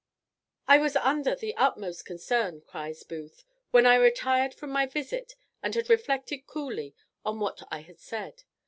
_ "I was under the utmost concern," cries Booth, "when I retired from my visit, and had reflected coolly on what I had said.